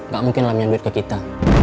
gak mungkin lamanya duit ke kita